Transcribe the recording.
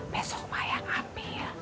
besok mak yang ambil